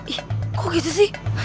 ih kok gitu sih